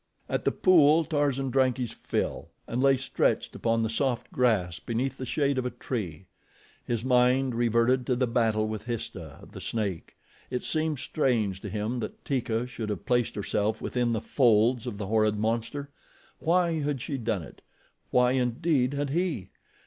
At the pool Tarzan drank his fill and lay stretched upon the soft grass beneath the shade of a tree. His mind reverted to the battle with Histah, the snake. It seemed strange to him that Teeka should have placed herself within the folds of the horrid monster. Why had she done it? Why, indeed, had he?